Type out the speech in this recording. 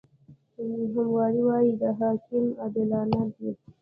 حموربي وایي، دا احکام عادلانه دي.